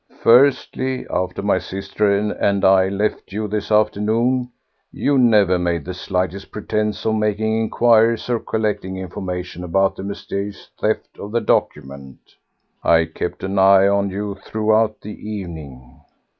Firstly, after my sister and I left you this afternoon, you never made the slightest pretence of making inquiries or collecting information about the mysterious theft of the document. I kept an eye on you throughout the evening.